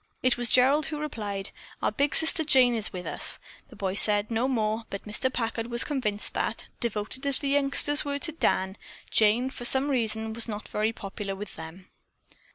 It was Gerald who replied: "Our big sister Jane is with us." The boy said no more, but Mr. Packard was convinced that, devoted as the youngsters were to Dan, Jane, for some reason, was not very popular with them.